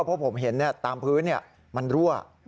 เพราะผมเห็นตามพื้นมันรั่ว